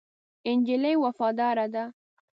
نجلۍ وفاداره ده.